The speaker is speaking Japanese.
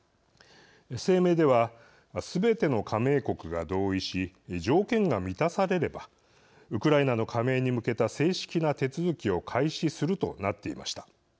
声明ではすべての加盟国が同意し条件が満たされればウクライナの加盟に向けた正式な手続きを開始するとなっていました。